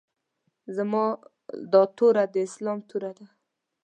زما دا توره د اسلام توره ده.